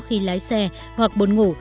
khi lái xe hoặc buồn ngủ